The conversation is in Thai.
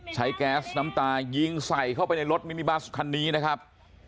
แก๊สน้ำตายิงใส่เข้าไปในรถมินิบัสคันนี้นะครับ